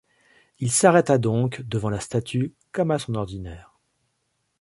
Il s’arrêta donc devant la statue comme à son ordinaire.